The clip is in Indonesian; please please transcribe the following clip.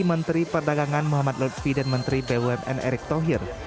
menteri perdagangan muhammad lutfi dan menteri bumn erick thohir